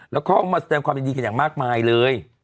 แล้วเขาก็ออกมาแสดงความดีกันอย่างมากมายเลย